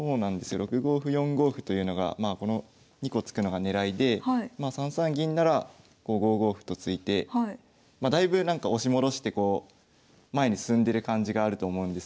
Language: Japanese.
６五歩４五歩というのがまあこの２個突くのが狙いでまあ３三銀ならこう５五歩と突いてだいぶ押し戻して前に進んでる感じがあると思うんですけど。